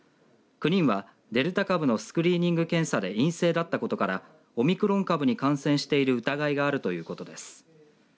９人はデルタ株のスクリーニング検査で陰性だったことからオミクロン株に感染している疑いがあるということです。